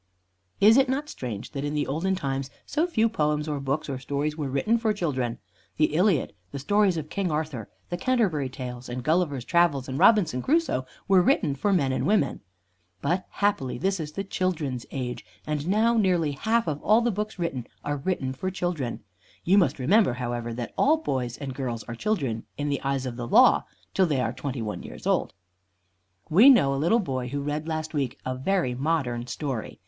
Is it not strange that in the olden times so few poems or books or stories were written for children? The "Iliad," the stories of King Arthur, the "Canterbury Tales," and "Gulliver's Travels" and "Robinson Crusoe," were written for men and women. But happily this is the children's age, and now nearly half of all the books written are written for children. You must remember, however, that all boys and girls are children in the eyes of the law till they are twenty one years old. We know a little boy who read last week a very modern story.